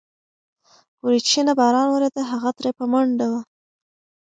وريچينه باران وريده، هغه ترې په منډه وه.